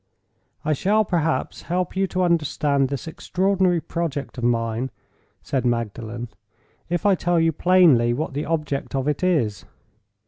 "I shall perhaps help you to understand this extraordinary project of mine," said Magdalen, "if I tell you plainly what the object of it is.